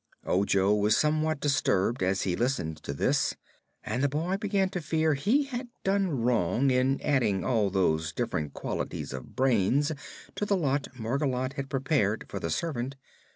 Ojo was somewhat disturbed as he listened to this, and the boy began to fear he had done wrong in adding all those different qualities of brains to the lot Margolotte had prepared for the servant.